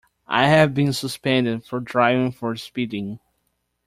I have been suspended from driving for speeding.